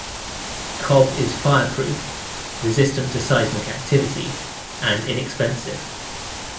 Cob is fireproof, resistant to seismic activity, and inexpensive.